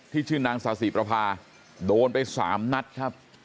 ที่ชื่อนางสาสีประพาโดนไปสามนัดครับ